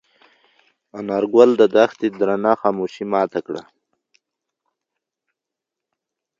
انارګل د دښتې درنه خاموشي ماته کړه.